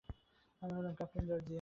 আমি হলাম captain Georgia.